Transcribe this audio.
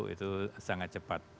itu sangat cepat